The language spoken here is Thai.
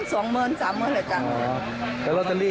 เงินสดกับที่นี่